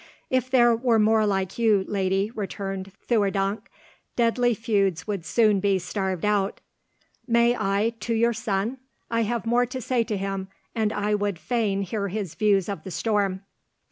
"If there were more like you, lady," returned Theurdank, "deadly feuds would soon be starved out. May I to your son? I have more to say to him, and I would fain hear his views of the storm."